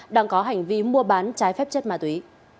đang có hành vi mua bán trái phép chất ma túy